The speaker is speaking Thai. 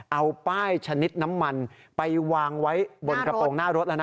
เอาป้ายชนิดน้ำมันไปวางไว้บนกระโปรงหน้ารถแล้วนะ